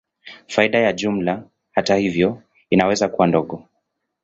Faida ya jumla, hata hivyo, inaweza kuwa ndogo.